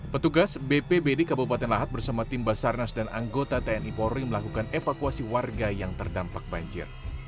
petugas bpbd kabupaten lahat bersama tim basarnas dan anggota tni polri melakukan evakuasi warga yang terdampak banjir